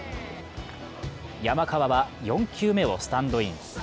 山川は４球目をスタンドイン。